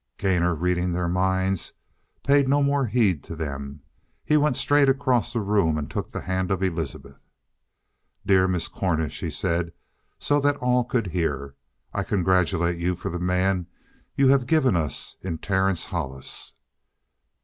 Gainor, reading their minds, paid no more heed to them. He went straight across the room and took the hand of Elizabeth. "Dear Miss Cornish," he said so that all could hear, "I congratulate you for the man you have given us in Terence Hollis."